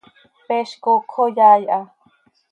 Peez coocj oo yaai ha.